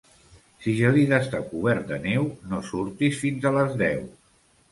Si Gelida està cobert de neu, no surtis fins a les deu.